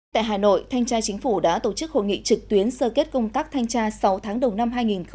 tại hà nội thanh tra chính phủ đã tổ chức hội nghị trực tuyến sơ kết công tác thanh tra sáu tháng đầu năm hai nghìn hai mươi